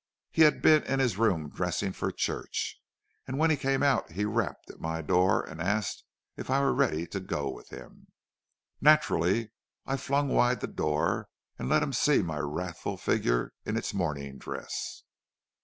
He had been in his room dressing for church, and when he came out he rapped at my door and asked if I were ready to go with him. "Naturally I flung wide the door and let him see my wrathful figure in its morning dress.